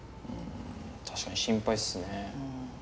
確かに心配っすね。